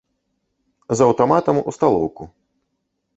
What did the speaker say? З аўтаматам у сталоўку.